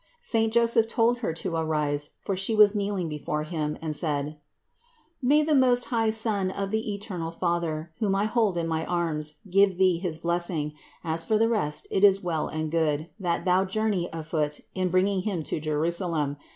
588. Saint Joseph told Her to arise, for She was kneeling before him, and said : "May the Most High Son of the eternal Father, whom I hold in my arms, give Thee his blessing. As for the rest it is well and good, that Thou journey afoot in bringing Him to Jerusalem.